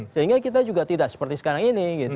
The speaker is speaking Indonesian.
sehingga kita juga tidak seperti sekarang ini gitu ya